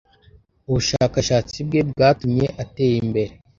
ubushakashatsi bwe bwatumye atera imbere